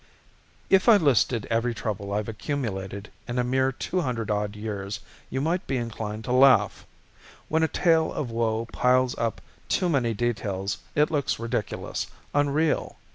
_ If I listed every trouble I've accumulated in a mere two hundred odd years you might be inclined to laugh. When a tale of woe piles up too many details it looks ridiculous, unreal.